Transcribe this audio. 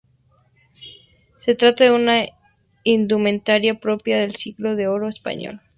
Se trata de una indumentaria propia del siglo de oro español.